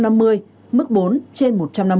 mức bốn trên một trăm năm mươi